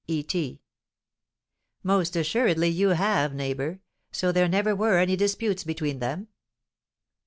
E. T. "Most assuredly you have, neighbour. So there never were any disputes between them?"